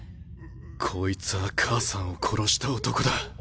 こいつぁ母さんを殺した男だ。